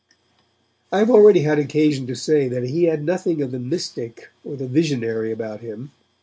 I have already had occasion to say that he had nothing of the mystic or the visionary about him.